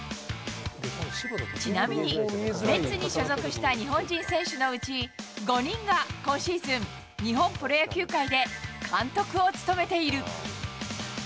ちなみに、メッツに所属した日本人選手のうち、５人が今シーズン、日本プロ野球界で監督を務めている。